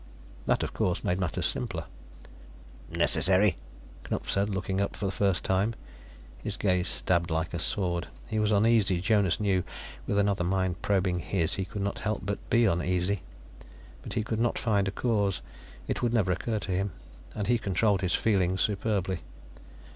That, of course, made matters simpler. "Necessary?" Knupf said, looking up for the first time. His gaze stabbed like a sword. He was uneasy, Jonas knew; with another mind probing his, he could not help but be uneasy. But he could not find a cause; it would never occur to him. And he controlled his feelings superbly.